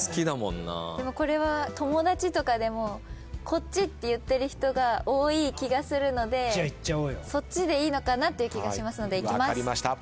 でもこれは友達とかでもこっちって言ってる人が多い気がするのでそっちでいいのかなっていう気がしますのでいきます。